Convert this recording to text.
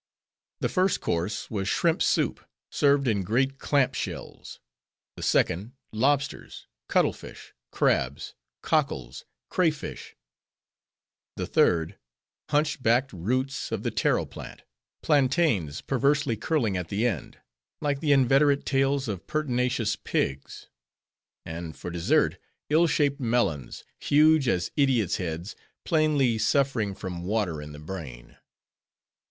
The first course was shrimp soup, served in great clampshells; the second, lobsters, cuttle fish, crabs, cockles, cray fish; the third, hunchbacked roots of the Taro plant—plantains, perversely curling at the end, like the inveterate tails of pertinacious pigs; and for dessert, ill shaped melons, huge as idiots' heads, plainly suffering from water in the brain.